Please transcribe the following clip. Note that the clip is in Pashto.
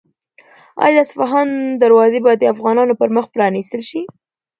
آیا د اصفهان دروازې به د افغانانو پر مخ پرانیستل شي؟